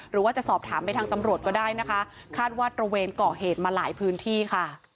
หรือว่าจะสอบถามไปทางตำรวจก็ได้นะคะคาดว่าตระเวนก่อเหตุมาหลายพื้นที่ค่ะ